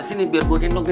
sini biar gue kendok deh